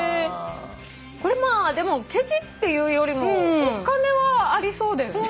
これまあでもケチっていうよりもお金はありそうだよね。